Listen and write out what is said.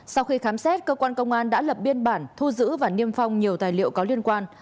sau khi khám xét cơ quan công an đã lập biên bản thu giữ và niêm phong nhiều tài liệu có liên quan